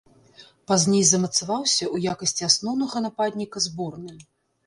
Пазней замацаваўся ў якасці асноўнага нападніка зборнай.